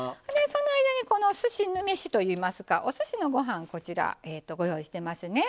その間にその、すし飯といいますかおすしのご飯、ご用意してます。